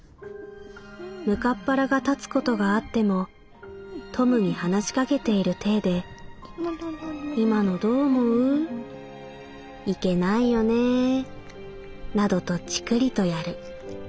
むかっ腹が立つことがあってもトムに話しかけている態で『今のどう思う？』『いけないよねぇ』などとチクリとやる。